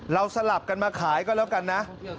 สลับกันมาขายก็แล้วกันนะ